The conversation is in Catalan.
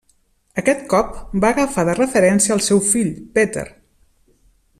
Aquest cop va agafar de referència al seu fill, Peter.